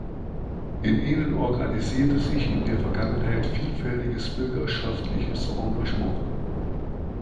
In ihnen organisierte sich in der Vergangenheit vielfältiges bürgerschaftliches Engagement.